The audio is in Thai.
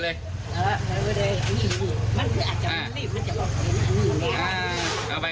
แล้วเราก็เดินหันหลังไปเลย